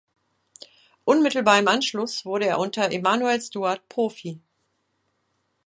Unmittelbar im Anschluss wurde er unter Emanuel Steward Profi.